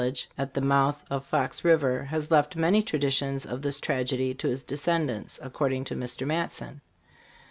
lage at the mouth of Fox river, has left many traditions of this tragedy to his descendants, according to Mr. Matson.